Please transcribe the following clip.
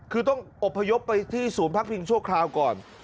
คือต้องอบพยพไปที่ศูนย์พักพิงชั่วคราวก่อน